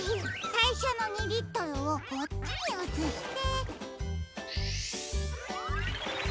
さいしょの２リットルをこっちにうつして。